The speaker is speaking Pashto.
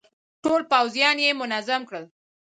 ټول پوځيان يې منظم کړل.